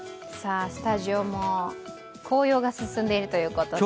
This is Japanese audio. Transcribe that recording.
スタジオも紅葉が進んでいるということで。